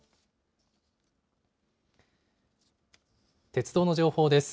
鉄道の情報です。